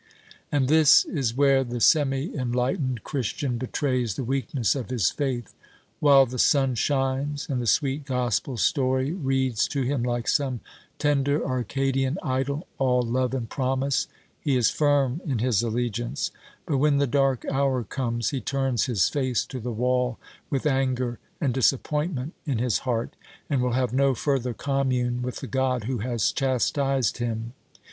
And this is where the semi enlightened Christian betrays the weakness of his faith. While the sun shines, and the sweet gospel story reads to him like some tender Arcadian idyl, all love and promise, he is firm in his allegiance; but when the dark hour comes, he turns his face to the wall, with anger and disappointment in his heart, and will have no further commune with the God who has chastised him.